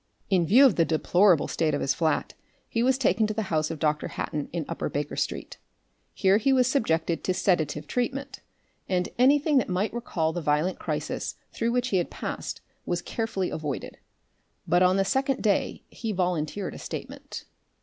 In view of the deplorable state of his flat, he was taken to the house of Dr. Hatton in Upper Baker Street. Here he was subjected to a sedative treatment, and anything that might recall the violent crisis through which he had passed was carefully avoided. But on the second day he volunteered a statement.